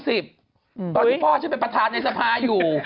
ตอนที่พ่อฉันเป็นประธานในสภาอยู่